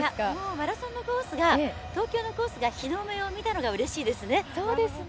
マラソンのコースが東京のコースが日の目を見たのがうれしいですね。